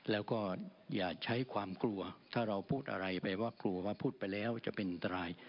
แล้วก็อย่าใช้ความกลัวถ้าเราพูดอะไรไปว่ากลัวว่าพูดไปแล้วจะเป็นอันตราย